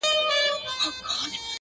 د درد د كړاوونو زنده گۍ كي يو غمى دی،